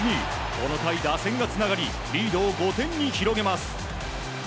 この回、打線がつながりリードを５点に広げます。